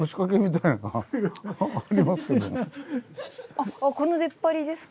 あっこの出っ張りですか？